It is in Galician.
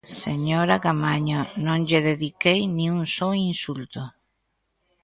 Señora Caamaño, non lle dediquei nin un só insulto.